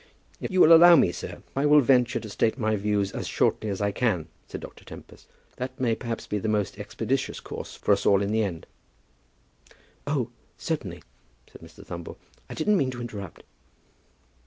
"If you will allow me, sir, I will venture to state my views as shortly as I can," said Dr. Tempest. "That may perhaps be the most expeditious course for us all in the end." "Oh, certainly," said Mr. Thumble. "I didn't mean to interrupt."